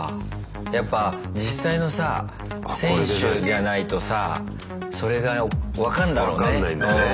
やっぱ実際のさ選手じゃないとさそれが分かんだろうね。